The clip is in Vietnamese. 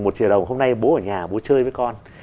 một chiều đồng hôm nay bố ở nhà bố chơi với con